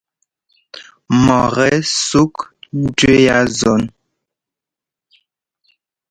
Mɔ ŋgɛ ɛsuk ndʉ ya zɔ́n.